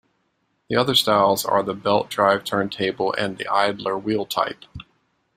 The other styles are the belt-drive turntable and the idler-wheel type.